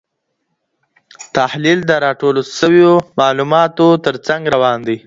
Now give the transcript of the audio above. تحلیل د راټولو سویو معلوماتو تر څنګ روان دی.